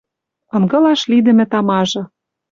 Ынгылаш лидӹмӹ тамажы